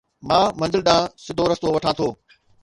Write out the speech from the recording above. مان منزل ڏانهن سڌو رستو وٺان ٿو